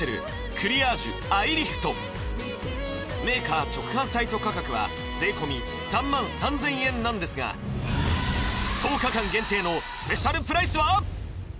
クリアージュアイリフトメーカー直販サイト価格は税込３万３０００円なんですが１０日間限定のスペシャルプライスは？